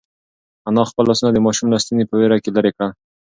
انا خپل لاسونه د ماشوم له ستوني په وېره کې لرې کړل.